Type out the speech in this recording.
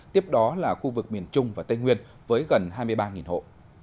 tiếp đó là khu vực miền trung và tây nguyên với gần hai mươi ba hộ